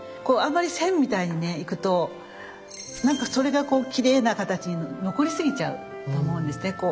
こうあんまり線みたいにいくとなんかそれがこうきれいな形に残りすぎちゃうと思うんですね。